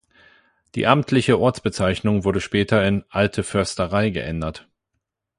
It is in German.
Die amtliche Ortsbezeichnung wurde später in "Alte Försterei" geändert.